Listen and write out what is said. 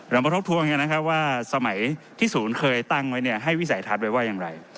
เรามาทบทวงว่าสมัยที่ศูนย์เคยตั้งไว้ให้วิสัยทัศน์ไว้ว่าอย่างไร